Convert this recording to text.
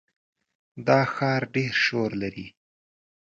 دا ښار ډېر شور لري.